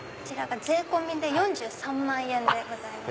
税込みで４３万円でございます。